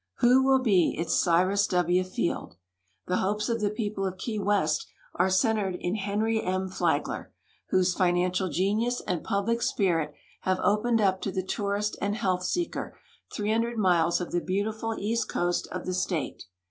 ^^'llO will be its Cyrus W. Field? The hopes of the i)Cople of Key West are centered in Henry INI. Flagler, whose financial genius and jmblic spirit have opened up to the tourist and health seeker 300 miles of the beautiful east coast of the state.